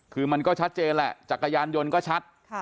คือมันก็ชัดเจนแหละจักรยานยนต์ก็ชัด